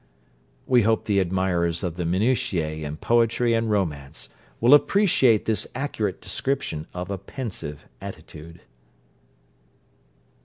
We hope the admirers of the minutiæ in poetry and romance will appreciate this accurate description of a pensive attitude.